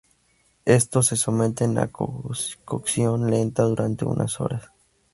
Estos se someten a cocción lenta durante unas horas.